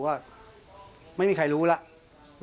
ว่าไม่มีใครรู้แล้ว